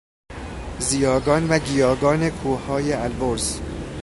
زیاگان و گیاگان کوههای البرز